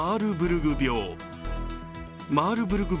マールブルグ病。